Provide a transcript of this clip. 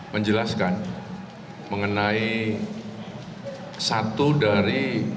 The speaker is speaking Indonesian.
menjelaskan mengenai satu dari